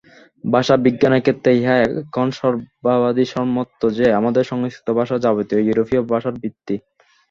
ভাষা-বিজ্ঞানের ক্ষেত্রে ইহা এখন সর্ববাদিসম্মত যে, আমাদের সংস্কৃত ভাষা যাবতীয় ইউরোপীয় ভাষার ভিত্তি।